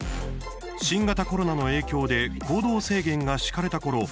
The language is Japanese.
新型コロナの影響で行動制限が敷かれたころ